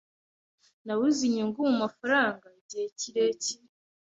Nabuze inyungu mumafaranga igihe kirekire